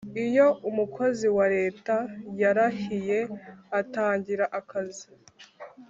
Iyo umukozi wa leta warahiye atangira akazi